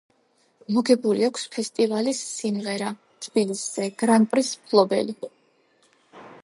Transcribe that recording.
მოგებული აქვს ფესტივალის „სიმღერა თბილისზე“ გრან-პრის მფლობელი.